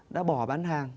đã bỏ bán hàng